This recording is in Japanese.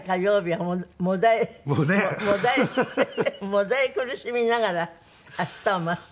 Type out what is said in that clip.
もだえ苦しみながら明日を待つという。